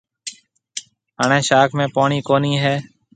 هڻيَ شاخ ۾ پوڻِي ڪونِي هيَ۔